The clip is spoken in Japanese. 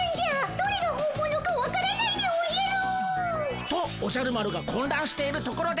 どれが本物かわからないでおじゃる。とおじゃる丸がこんらんしているところで。